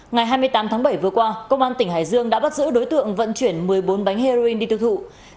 ngày hai mươi tám tháng bảy vừa qua công an tỉnh hải dương đã bắt giữ đối tượng vận chuyển một mươi bốn bánh heroin đi tiêu thụ